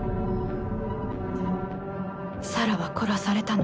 サラは殺されたの。